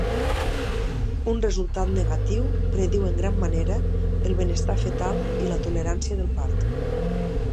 Un resultat negatiu prediu en gran manera el benestar fetal i la tolerància del part.